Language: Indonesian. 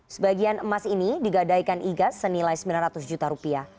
sebagian emas ini digadaikan igas senilai sembilan ratus juta rupiah